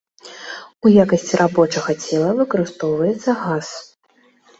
У якасці рабочага цела выкарыстоўваецца газ.